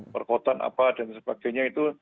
perkotaan apa dan sebagainya itu